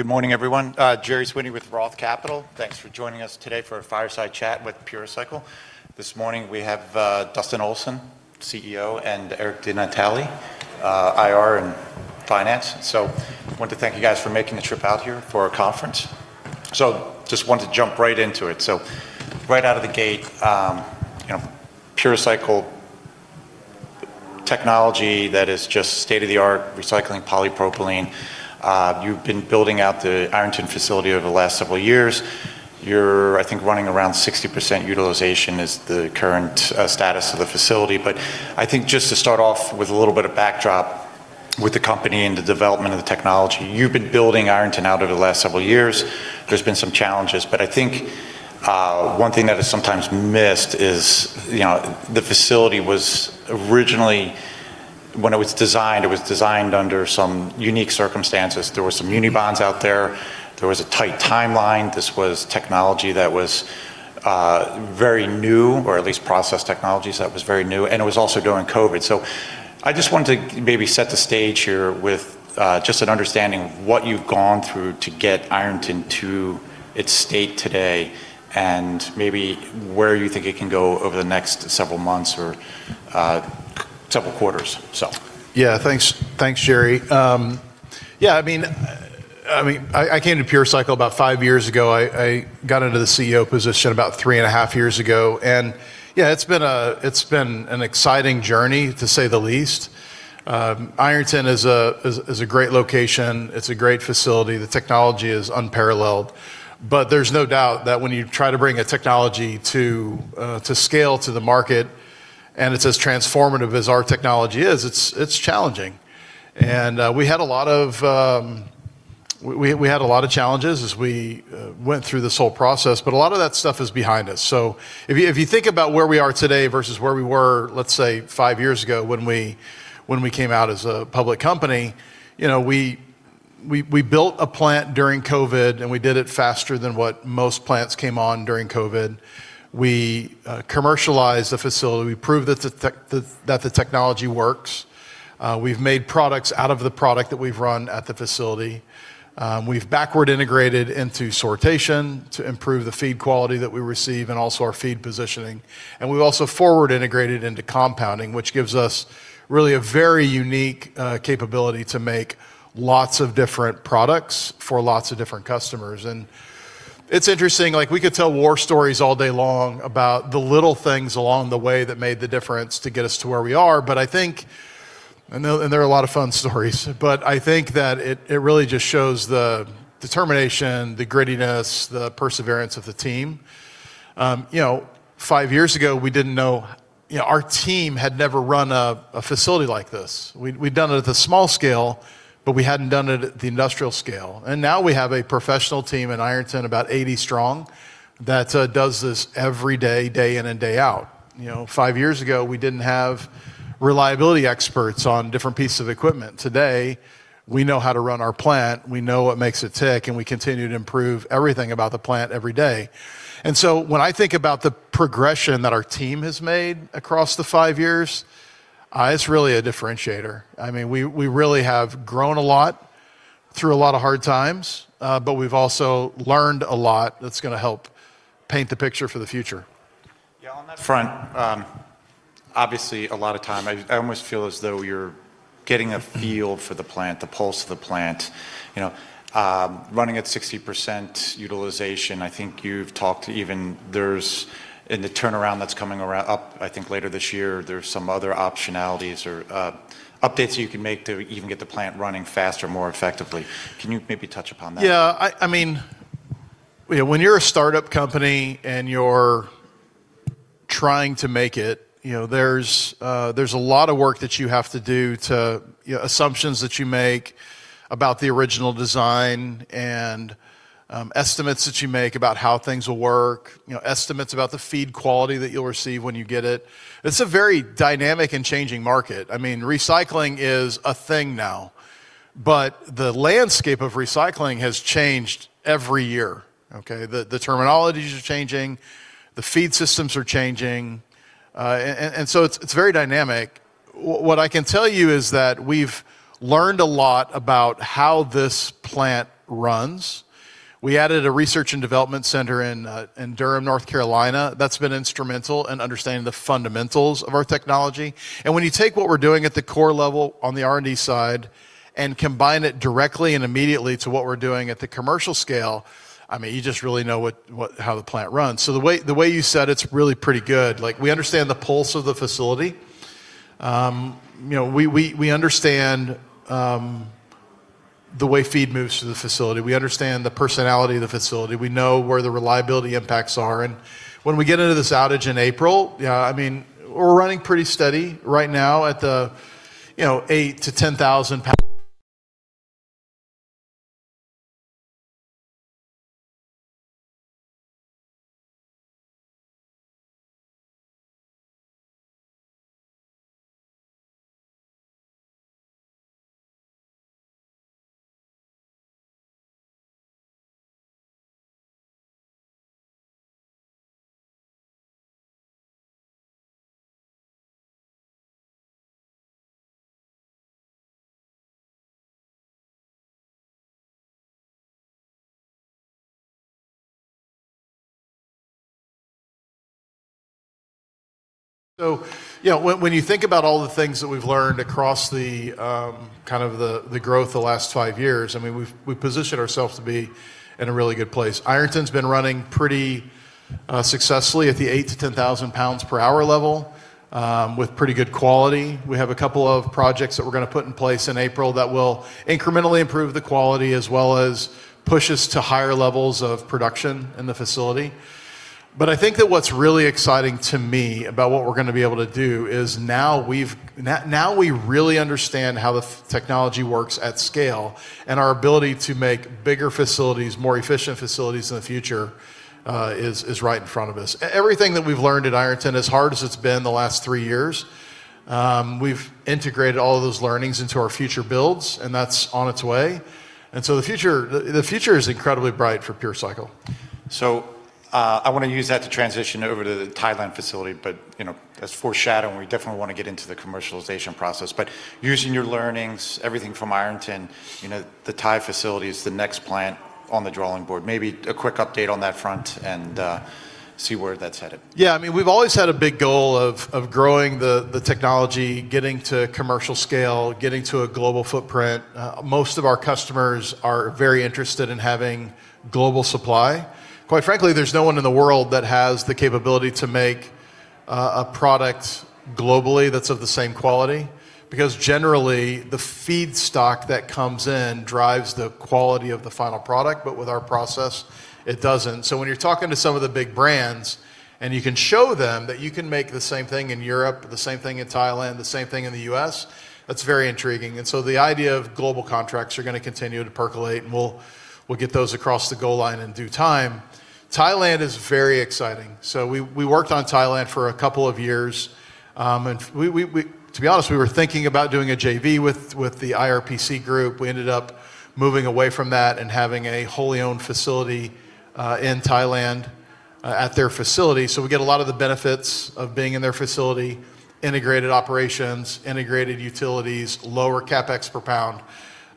Good morning, everyone. Gerry Sweeney with Roth Capital. Thanks for joining us today for a fireside chat with PureCycle. This morning we have Dustin Olson, CEO, and Eric DeNatale, IR and Finance. I want to thank you guys for making the trip out here for our conference. Just wanted to jump right into it. Right out of the gate, you know, PureCycle technology that is just state-of-the-art, recycling polypropylene. You've been building out the Ironton facility over the last several years. You're, I think, running around 60% utilization is the current status of the facility. I think just to start off with a little bit of backdrop with the company and the development of the technology, you've been building Ironton out over the last several years. There's been some challenges, but I think, one thing that is sometimes missed is, you know, the facility was originally. When it was designed, it was designed under some unique circumstances. There were some muni bonds out there. There was a tight timeline. This was technology that was very new, or at least process technology, so that was very new, and it was also during COVID. I just wanted to maybe set the stage here with just an understanding of what you've gone through to get Ironton to its state today and maybe where you think it can go over the next several months or several quarters. Yeah, thanks. Thanks, Gerry. Yeah, I mean, I came to PureCycle about five years ago. I got into the CEO position about three and a half years ago, and it's been an exciting journey, to say the least. Ironton is a great location. It's a great facility. The technology is unparalleled, but there's no doubt that when you try to bring a technology to scale to the market, and it's as transformative as our technology is, it's challenging. We had a lot of challenges as we went through this whole process, but a lot of that stuff is behind us. If you think about where we are today versus where we were, let's say, five years ago when we came out as a public company, you know, we built a plant during COVID, and we did it faster than what most plants came on during COVID. We commercialized the facility. We proved that the technology works. We've made products out of the product that we've run at the facility. We've backward integrated into sortation to improve the feed quality that we receive and also our feed positioning, and we've also forward integrated into compounding, which gives us really a very unique capability to make lots of different products for lots of different customers. It's interesting, like, we could tell war stories all day long about the little things along the way that made the difference to get us to where we are, but I think there are a lot of fun stories. I think that it really just shows the determination, the grittiness, the perseverance of the team. You know, five years ago, our team had never run a facility like this. We'd done it at the small scale, but we hadn't done it at the industrial scale. Now we have a professional team in Ironton about 80 strong that does this every day in and day out. You know, five years ago, we didn't have reliability experts on different pieces of equipment. Today, we know how to run our plant, we know what makes it tick, and we continue to improve everything about the plant every day. When I think about the progression that our team has made across the five years, it's really a differentiator. I mean, we really have grown a lot through a lot of hard times, but we've also learned a lot that's gonna help paint the picture for the future. Yeah, on that front, obviously a lot of time, I almost feel as though you're getting a feel for the plant, the pulse of the plant. You know, running at 60% utilization, I think you've talked even there's in the turnaround that's coming up, I think later this year, there's some other optionalities or updates you can make to even get the plant running faster, more effectively. Can you maybe touch upon that? Yeah, I mean, you know, when you're a startup company and you're trying to make it, you know, there's a lot of work that you have to do to, you know, assumptions that you make about the original design and, estimates that you make about how things will work, you know, estimates about the feed quality that you'll receive when you get it. It's a very dynamic and changing market. I mean, recycling is a thing now, but the landscape of recycling has changed every year, okay? The terminologies are changing, the feed systems are changing, and so it's very dynamic. What I can tell you is that we've learned a lot about how this plant runs. We added a research and development center in Durham, North Carolina. That's been instrumental in understanding the fundamentals of our technology. When you take what we're doing at the core level on the R&D side and combine it directly and immediately to what we're doing at the commercial scale, I mean, you just really know how the plant runs. The way you said it's really pretty good. Like, we understand the pulse of the facility. You know, we understand the way feed moves through the facility. We understand the personality of the facility. We know where the reliability impacts are. When we get into this outage in April, yeah, I mean, we're running pretty steady right now at the, you know, 8,000-10,000 lbs. So, you know, when you think about all the things that we've learned across the kind of growth the last five years, I mean, we've positioned ourselves to be in a really good place. Ironton's been running pretty successfully at the 8,000-10,000 lb/h level, with pretty good quality. We have a couple of projects that we're gonna put in place in April that will incrementally improve the quality as well as push us to higher levels of production in the facility. I think that what's really exciting to me about what we're gonna be able to do is now we really understand how the technology works at scale, and our ability to make bigger facilities, more efficient facilities in the future is right in front of us. Everything that we've learned at Ironton, as hard as it's been the last three years, we've integrated all of those learnings into our future builds, and that's on its way. The future is incredibly bright for PureCycle. I wanna use that to transition over to the Thailand facility, but, you know, that's foreshadowing. We definitely wanna get into the commercialization process. Using your learnings, everything from Ironton, you know, the Thai facility is the next plant on the drawing board. Maybe a quick update on that front and see where that's headed. Yeah, I mean, we've always had a big goal of growing the technology, getting to commercial scale, getting to a global footprint. Most of our customers are very interested in having global supply. Quite frankly, there's no one in the world that has the capability to make a product globally that's of the same quality, because generally the feedstock that comes in drives the quality of the final product, but with our process, it doesn't. When you're talking to some of the big brands, and you can show them that you can make the same thing in Europe, the same thing in Thailand, the same thing in the U.S., that's very intriguing. The idea of global contracts are gonna continue to percolate, and we'll get those across the goal line in due time. Thailand is very exciting. We worked on Thailand for a couple of years. To be honest, we were thinking about doing a JV with the IRPC group. We ended up moving away from that and having a wholly owned facility in Thailand at their facility. We get a lot of the benefits of being in their facility, integrated operations, integrated utilities, lower CapEx per pound.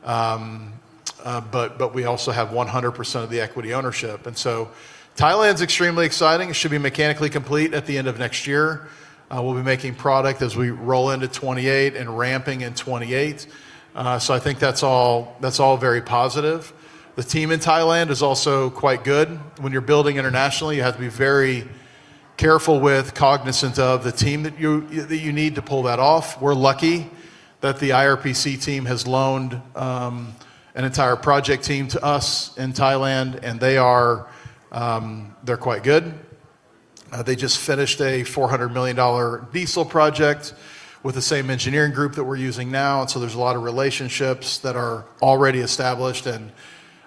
But we also have 100% of the equity ownership. Thailand's extremely exciting. It should be mechanically complete at the end of next year. We'll be making product as we roll into 2028 and ramping in 2028. I think that's all very positive. The team in Thailand is also quite good. When you're building internationally, you have to be very careful with, cognizant of the team that you that you need to pull that off. We're lucky that the IRPC team has loaned an entire project team to us in Thailand, and they are, they're quite good. They just finished a $400 million diesel project with the same engineering group that we're using now, and so there's a lot of relationships that are already established, and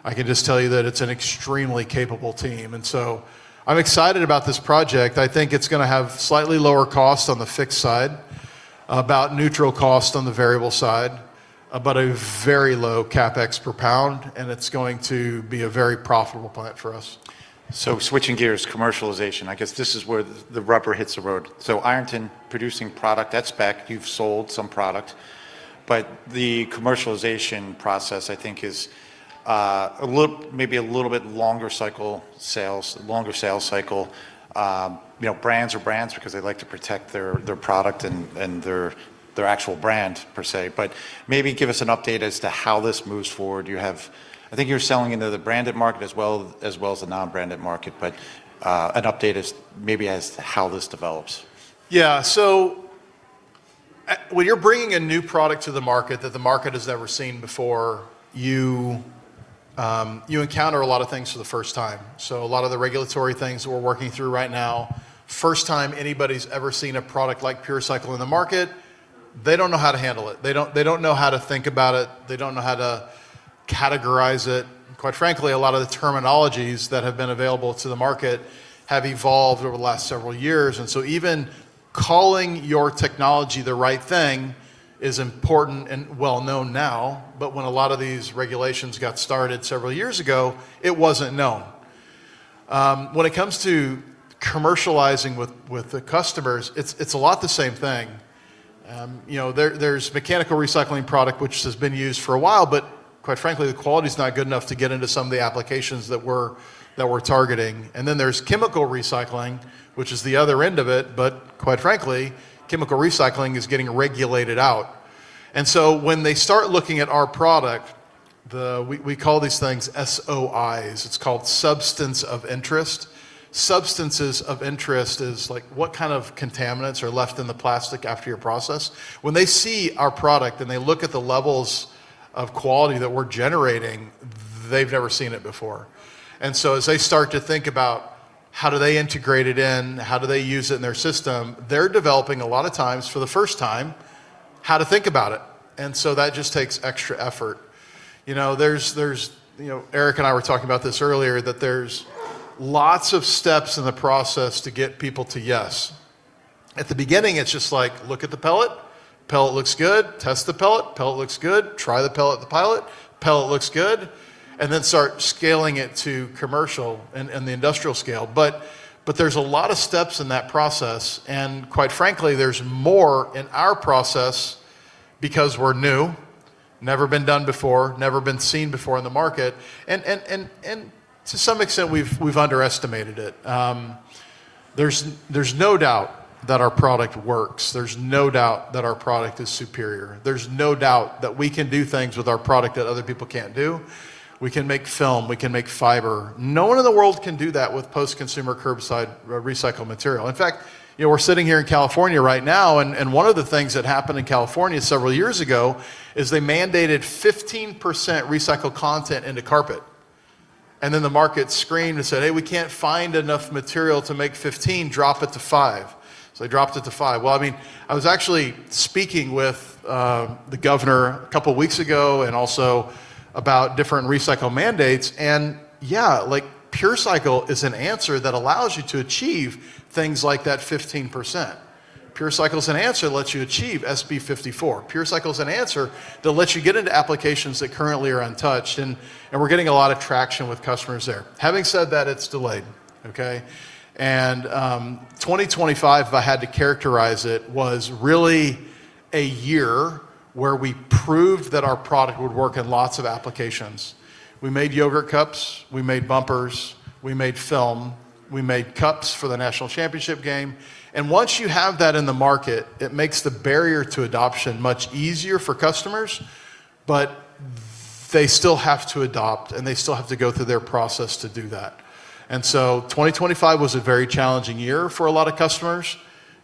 I can just tell you that it's an extremely capable team. I'm excited about this project. I think it's gonna have slightly lower costs on the fixed side, about neutral cost on the variable side, but a very low CapEx per pound, and it's going to be a very profitable plant for us. Switching gears, commercialization. I guess this is where the rubber hits the road. Ironton producing product, that's back. You've sold some product. The commercialization process I think is a little, maybe a little bit longer sales cycle. You know, brands are brands because they like to protect their product and their actual brand per se. Maybe give us an update as to how this moves forward. I think you're selling into the branded market as well as the non-branded market. An update as maybe as to how this develops. Yeah. When you're bringing a new product to the market that the market has never seen before, you encounter a lot of things for the first time. A lot of the regulatory things we're working through right now, first time anybody's ever seen a product like PureCycle in the market, they don't know how to handle it. They don't know how to think about it. They don't know how to categorize it. Quite frankly, a lot of the terminologies that have been available to the market have evolved over the last several years. Even calling your technology the right thing is important and well known now, but when a lot of these regulations got started several years ago, it wasn't known. When it comes to commercializing with the customers, it's a lot the same thing. You know, there's mechanical recycling product, which has been used for a while, but quite frankly, the quality's not good enough to get into some of the applications that we're targeting. Then there's chemical recycling, which is the other end of it, but quite frankly, chemical recycling is getting regulated out. When they start looking at our product, we call these things SOIs. It's called substance of interest. Substances of interest is like what kind of contaminants are left in the plastic after your process. When they see our product and they look at the levels of quality that we're generating, they've never seen it before. As they start to think about how do they integrate it in, how do they use it in their system, they're developing a lot of times, for the first time, how to think about it. That just takes extra effort. You know, Eric and I were talking about this earlier, that there's lots of steps in the process to get people to yes. At the beginning, it's just like, look at the pellet looks good. Test the pellet looks good. Try the pellet at the pilot, pellet looks good. Start scaling it to commercial and the industrial scale. But there's a lot of steps in that process, and quite frankly, there's more in our process because we're new. Never been done before, never been seen before in the market. To some extent, we've underestimated it. There's no doubt that our product works. There's no doubt that our product is superior. There's no doubt that we can do things with our product that other people can't do. We can make film, we can make fiber. No one in the world can do that with post-consumer curbside recycled material. In fact, you know, we're sitting here in California right now, one of the things that happened in California several years ago is they mandated 15% recycled content into carpet. The market screamed and said, "Hey, we can't find enough material to make 15, drop it to five." They dropped it to five. Well, I mean, I was actually speaking with the governor a couple weeks ago and also about different recycle mandates, and yeah, like, PureCycle is an answer that allows you to achieve things like that 15%. PureCycle's an answer that lets you achieve SB 54. PureCycle's an answer that lets you get into applications that currently are untouched, and we're getting a lot of traction with customers there. Having said that, it's delayed, okay? 2025, if I had to characterize it, was really a year where we proved that our product would work in lots of applications. We made yogurt cups, we made bumpers, we made film, we made cups for the national championship game Once you have that in the market, it makes the barrier to adoption much easier for customers, but they still have to adopt, and they still have to go through their process to do that. 2025 was a very challenging year for a lot of customers.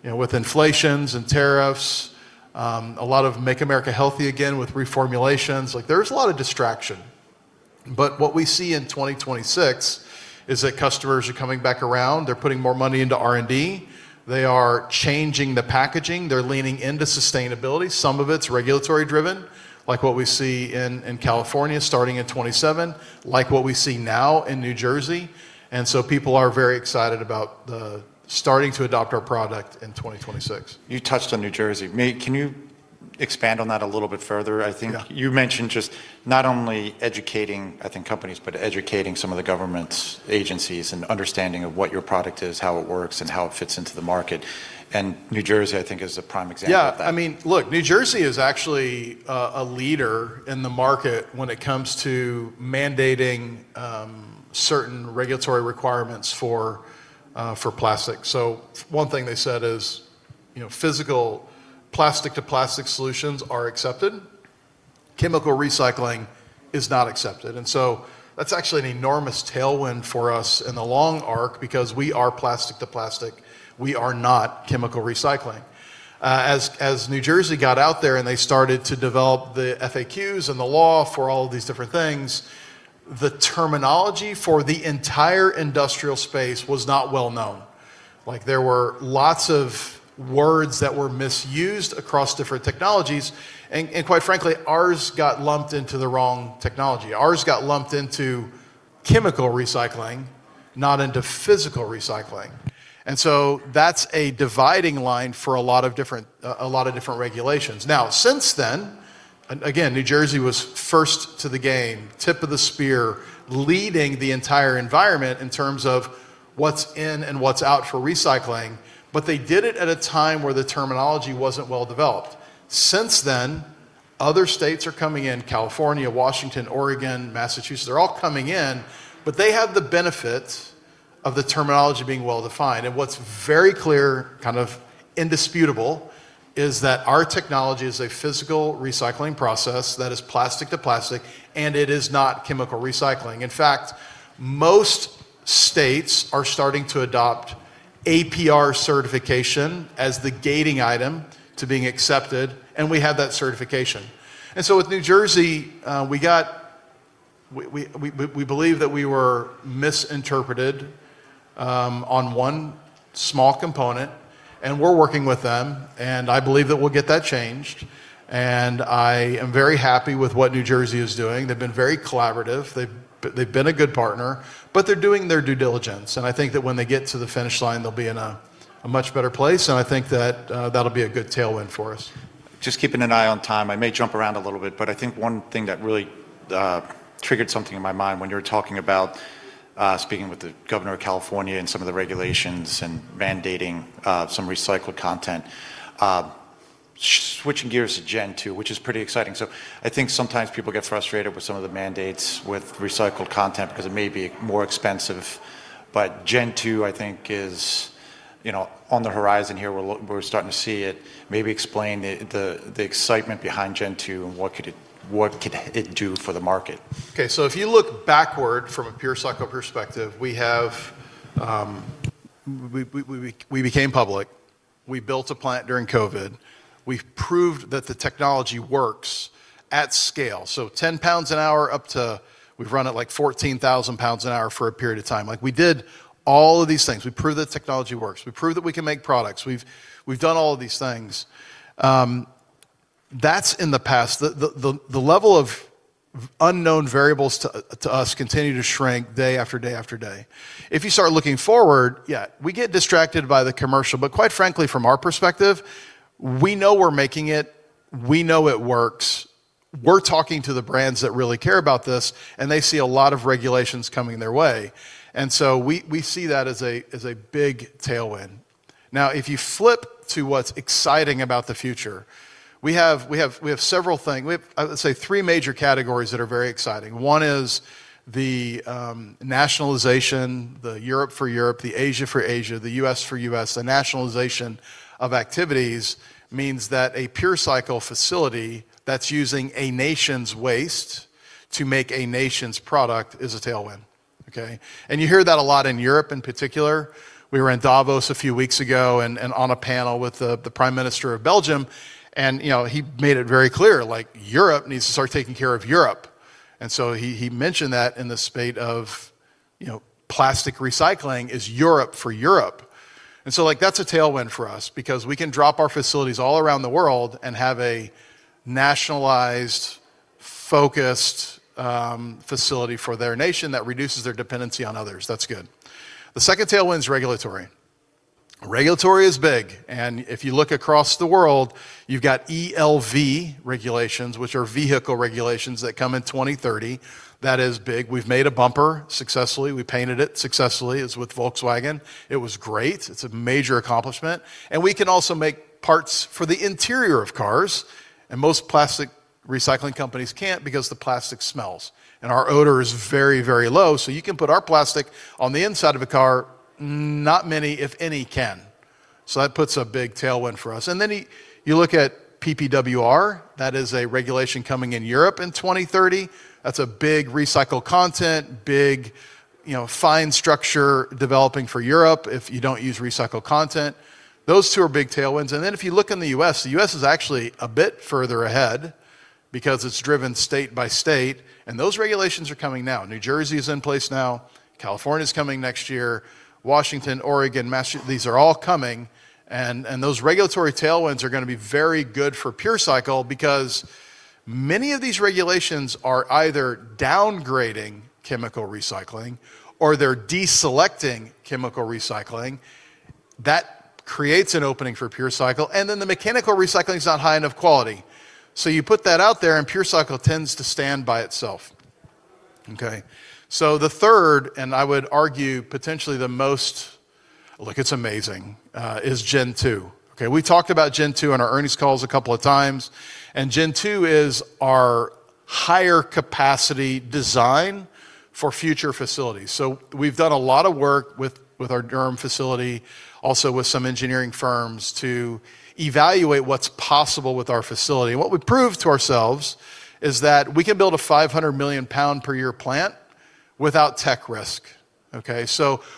You know, with inflations and tariffs, a lot of Make America Healthy Again with reformulations. Like, there was a lot of distraction. What we see in 2026 is that customers are coming back around. They're putting more money into R&D. They are changing the packaging. They're leaning into sustainability. Some of it's regulatory driven, like what we see in California starting in 2027, like what we see now in New Jersey. People are very excited about starting to adopt our product in 2026. You touched on New Jersey. Can you expand on that a little bit further? I think you mentioned just not only educating, I think, companies, but educating some of the government's agencies and understanding of what your product is, how it works, and how it fits into the market. New Jersey, I think, is a prime example of that. Yeah. I mean, look, New Jersey is actually a leader in the market when it comes to mandating certain regulatory requirements for plastic. One thing they said is, you know, physical plastic-to-plastic solutions are accepted. Chemical recycling is not accepted. That's actually an enormous tailwind for us in the long arc because we are plastic to plastic. We are not chemical recycling. As New Jersey got out there and they started to develop the FAQs and the law for all of these different things, the terminology for the entire industrial space was not well known. Like, there were lots of words that were misused across different technologies and quite frankly, ours got lumped into the wrong technology. Ours got lumped into chemical recycling, not into physical recycling. That's a dividing line for a lot of different regulations. Now, since then, New Jersey was first to the game, tip of the spear, leading the entire environment in terms of what's in and what's out for recycling, but they did it at a time where the terminology wasn't well developed. Since then, other states are coming in, California, Washington, Oregon, Massachusetts. They're all coming in, but they have the benefit of the terminology being well-defined. What's very clear, kind of indisputable, is that our technology is a physical recycling process that is plastic to plastic, and it is not chemical recycling. In fact, most states are starting to adopt APR certification as the gating item to being accepted, and we have that certification. With New Jersey, we believe that we were misinterpreted on one small component, and we're working with them, and I believe that we'll get that changed. I am very happy with what New Jersey is doing. They've been very collaborative. They've been a good partner, but they're doing their due diligence, and I think that when they get to the finish line, they'll be in a much better place, and I think that that'll be a good tailwind for us. Just keeping an eye on time. I may jump around a little bit, but I think one thing that really triggered something in my mind when you were talking about speaking with the governor of California and some of the regulations and mandating some recycled content. Switching gears to Gen 2, which is pretty exciting. I think sometimes people get frustrated with some of the mandates with recycled content because it may be more expensive. Gen 2, I think, is, you know, on the horizon here. We're starting to see it. Maybe explain the excitement behind Gen 2 and what could it do for the market. Okay. If you look backward from a PureCycle perspective, we have, we became public. We built a plant during COVID. We've proved that the technology works at scale. 10 lb/h up to we've run at, like, 14,000 lb/h for a period of time. Like, we did all of these things. We proved that the technology works. We proved that we can make products. We've done all of these things. That's in the past. The level of unknown variables to us continue to shrink day after day after day. If you start looking forward, yeah, we get distracted by the commercial. Quite frankly, from our perspective, we know we're making it. We know it works. We're talking to the brands that really care about this, and they see a lot of regulations coming their way. We see that as a big tailwind. Now, if you flip to what's exciting about the future, we have several thing. We have, let's say three major categories that are very exciting. One is the nationalization, the Europe for Europe, the Asia for Asia, the U.S. for U.S. The nationalization of activities means that a PureCycle facility that's using a nation's waste to make a nation's product is a tailwind. Okay. You hear that a lot in Europe in particular. We were in Davos a few weeks ago and on a panel with the Prime Minister of Belgium, and you know, he made it very clear, like, Europe needs to start taking care of Europe. He mentioned that in the state of, you know, plastics recycling in Europe for Europe. Like, that's a tailwind for us because we can drop our facilities all around the world and have a nationalized, focused, facility for their nation that reduces their dependency on others. That's good. The second tailwind's regulatory. Regulatory is big, and if you look across the world, you've got ELV regulations, which are vehicle regulations that come in 2030. That is big. We've made a bumper successfully. We painted it successfully. It's with Volkswagen. It was great. It's a major accomplishment. We can also make parts for the interior of cars, and most plastic recycling companies can't because the plastic smells, and our odor is very, very low. You can put our plastic on the inside of a car. Not many, if any, can. That puts a big tailwind for us. You look at PPWR. That is a regulation coming in Europe in 2030. That's a big recycled content, big, fines structure developing for Europe if you don't use recycled content. Those two are big tailwinds. If you look in the U.S., the U.S. is actually a bit further ahead because it's driven state by state, and those regulations are coming now. New Jersey is in place now. California's coming next year. Washington, Oregon, Massachusetts. These are all coming, and those regulatory tailwinds are gonna be very good for PureCycle because many of these regulations are either downgrading chemical recycling or they're deselecting chemical recycling. That creates an opening for PureCycle, and then the mechanical recycling's not high enough quality. You put that out there, and PureCycle tends to stand by itself. Okay? The third, and I would argue potentially the most. Look, it's amazing is Gen 2. We talked about Gen 2 on our earnings calls a couple of times, and Gen 2 is our higher capacity design for future facilities. We've done a lot of work with our Durham facility, also with some engineering firms to evaluate what's possible with our facility. What we've proved to ourselves is that we can build a 500 million lb per year plant without tech risk.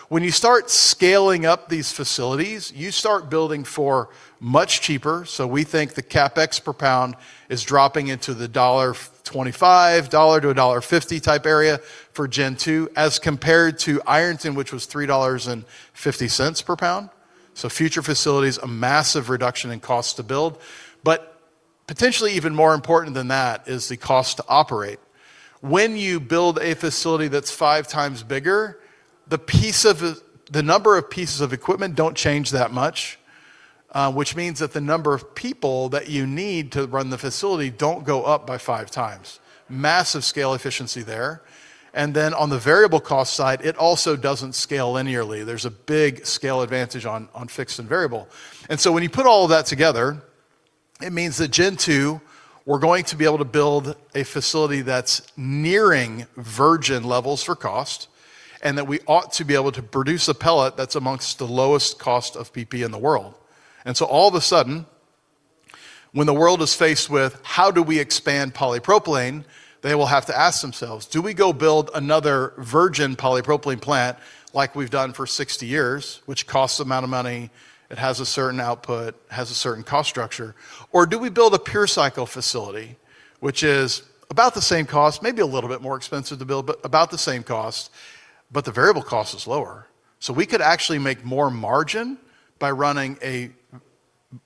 When you start scaling up these facilities, you start building for much cheaper. We think the CapEx per pound is dropping into the $1.25-$1.50 type area for Gen 2 as compared to Ironton, which was $3.50 per lb. Future facilities, a massive reduction in cost to build. Potentially even more important than that is the cost to operate. When you build a facility that's five times bigger, the number of pieces of equipment don't change that much, which means that the number of people that you need to run the facility don't go up by five times. Massive scale efficiency there. On the variable cost side, it also doesn't scale linearly. There's a big scale advantage on fixed and variable. When you put all of that together, it means that Gen 2, we're going to be able to build a facility that's nearing virgin levels for cost and that we ought to be able to produce a pellet that's amongst the lowest cost of PP in the world. All of a sudden, when the world is faced with how do we expand polypropylene, they will have to ask themselves, do we go build another virgin polypropylene plant like we've done for 60 years, which costs amount of money, it has a certain output, has a certain cost structure, or do we build a PureCycle facility which is about the same cost, maybe a little bit more expensive to build, but about the same cost, but the variable cost is lower. So we could actually make more margin by running a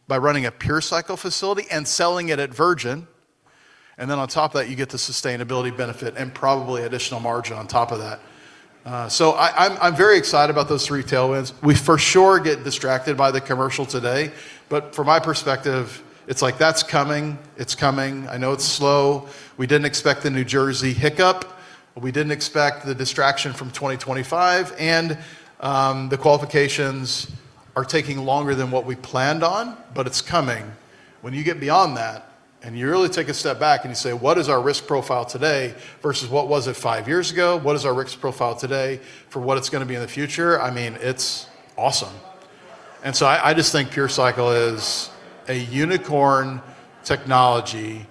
PureCycle facility and selling it at virgin, and then on top of that, you get the sustainability benefit and probably additional margin on top of that. I'm very excited about those three tailwinds. We for sure get distracted by the commercial today, but from my perspective, it's like that's coming. It's coming. I know it's slow. We didn't expect the New Jersey hiccup. We didn't expect the distraction from 2025, and the qualifications are taking longer than what we planned on, but it's coming. When you get beyond that and you really take a step back and you say, "What is our risk profile today versus what was it five years ago? What is our risk profile today for what it's gonna be in the future?" I mean, it's awesome. I just think PureCycle is a unicorn technology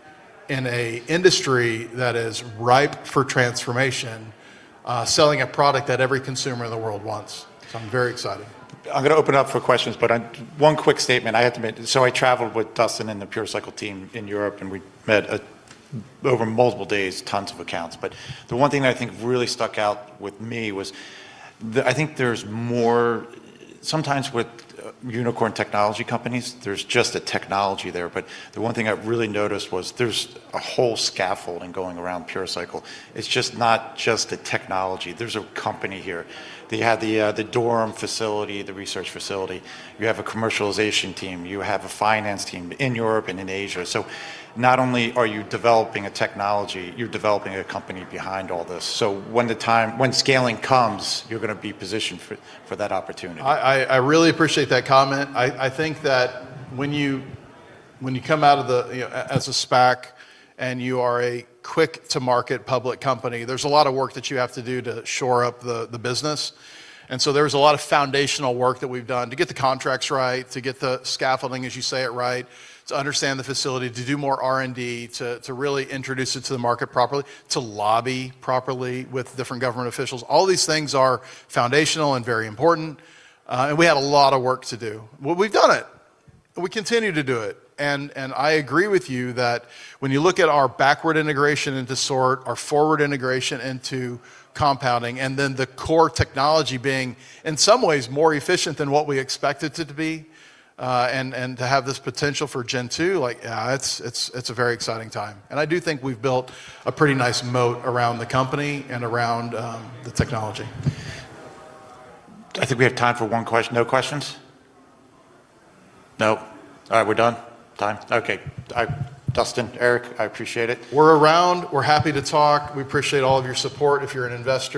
in an industry that is ripe for transformation, selling a product that every consumer in the world wants. I'm very excited. I'm gonna open up for questions, but one quick statement I have to make. I traveled with Dustin and the PureCycle team in Europe, and we met over multiple days, tons of accounts. The one thing that I think really stuck out with me was I think there's more. Sometimes with unicorn technology companies, there's just a technology there, but the one thing I really noticed was there's a whole scaffolding going around PureCycle. It's just not just a technology. There's a company here. They have the Durham facility, the research facility. You have a commercialization team. You have a finance team in Europe and in Asia. Not only are you developing a technology, you're developing a company behind all this. When scaling comes, you're gonna be positioned for that opportunity. I really appreciate that comment. I think that when you come out of the, you know, as a SPAC and you are a quick-to-market public company, there's a lot of work that you have to do to shore up the business. There's a lot of foundational work that we've done to get the contracts right, to get the scaffolding, as you say it, right, to understand the facility, to do more R&D, to really introduce it to the market properly, to lobby properly with different government officials. All these things are foundational and very important, and we had a lot of work to do. Well, we've done it, and we continue to do it. I agree with you that when you look at our backward integration into sort, our forward integration into compounding, and then the core technology being in some ways more efficient than what we expect it to be, and to have this potential for Gen 2, like, it's a very exciting time. I do think we've built a pretty nice moat around the company and around the technology. I think we have time for no questions? No. All right, we're done. Time. Okay. Dustin, Eric, I appreciate it. We're around. We're happy to talk. We appreciate all of your support if you're an investor.